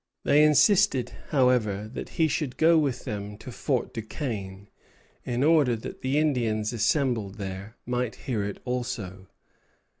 They insisted, however, that he should go with them to Fort Duquesne, in order that the Indians assembled there might hear it also.